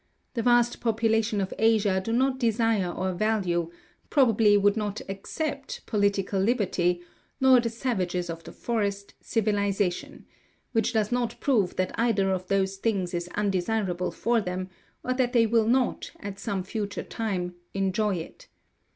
The vast population of Asia do not desire or value, probably would not accept, political liberty, nor the savages of the forest, civilization; which does not prove that either of those things is undesirable for them, or that they will not, at some future time, enjoy it.